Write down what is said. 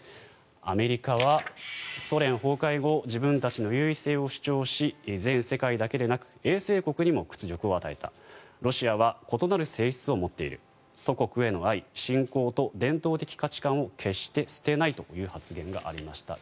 アメリカはソ連崩壊後自分たちの優位性を主張し全世界だけでなく衛星国にも屈辱を与えたロシアは異なる性質を持っている祖国への愛、信仰と伝統的価値観を決して捨てないという発言がありました。